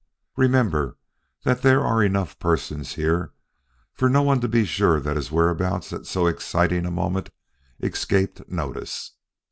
Remember that there are enough persons here for no one to be sure that his whereabouts at so exciting a moment escaped notice.